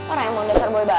orang yang mau dasar boy baik